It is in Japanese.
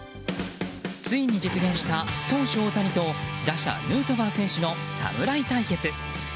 ついに実現した、投手・大谷と打者ヌートバー選手の侍対決。